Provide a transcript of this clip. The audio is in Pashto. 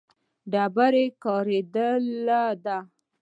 ډبره کارېدلې ده.